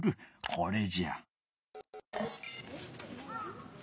これじゃ。